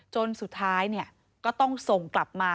จนสุดท้ายก็ต้องส่งกลับมา